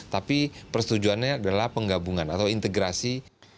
tapi persetujuannya adalah penggabungan atau integrasi